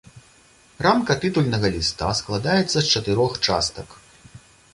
Рамка тытульнага ліста складаецца з чатырох частак.